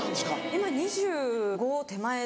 今２５手前。